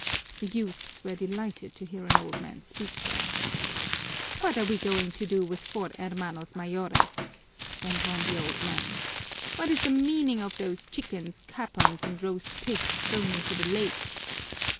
The youths were delighted to hear an old man speak so. "What are we going to do with four hermanos mayores?" went on the old man. "What is the meaning of those chickens, capons, and roast pigs, thrown into the lake?